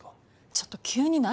ちょっと急に何。